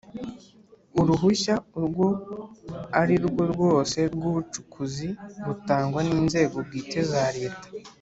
uruhushya urwo arirwo rwose rw ubucukuzi rutangwa n’inzego bwite za Leta